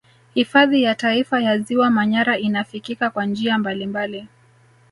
Hifadhi ya Taifa ya ziwa Manyara inafikika kwa njia mbalimbali